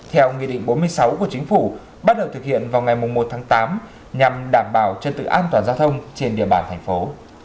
theo nghị định bốn mươi sáu của chính phủ bắt đầu thực hiện vào ngày một tháng tám nhằm đảm bảo trật tự an toàn giao thông trên địa bàn thành phố